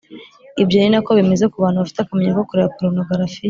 Ibyo ni na ko bimeze ku bantu bafite akamenyero ko kureba porunogarafiya